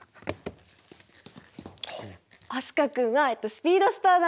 飛鳥君は「スピードスター男子！！」。